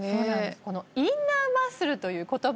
この「インナーマッスル」という言葉